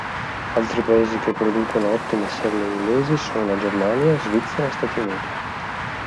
Altri paesi che producono ottime selle inglesi sono la Germania, Svizzera e Stati Uniti.